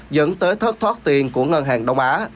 dẫn tới thất thoát tiền của ngân hàng đông á